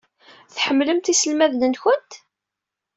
Tḥemmlemt iselmaden-nwent?